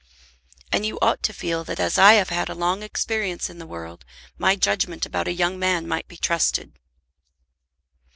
"And you ought to feel that, as I have had a long experience in the world, my judgment about a young man might be trusted."